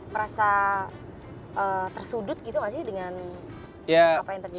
merasa tersudut gitu gak sih dengan apa yang terjadi